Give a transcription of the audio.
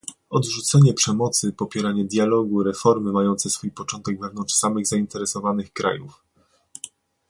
odrzucenie przemocy, popieranie dialogu, reformy mające swój początek wewnątrz samych zainteresowanych krajów